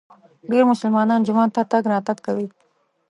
ډېر مسلمانان جومات ته تګ راتګ کوي.